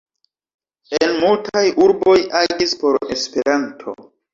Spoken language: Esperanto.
En multaj urboj agis por Esperanto.